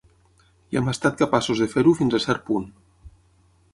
I hem estat capaços de fer-ho fins a cert punt.